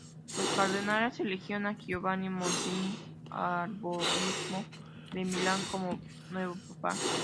Los cardenales eligieron a Giovanni Montini, arzobispo de Milán, como nuevo papa.